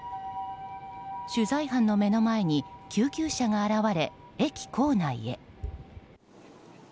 取材班の目の前に救急車が現れ駅構内へ。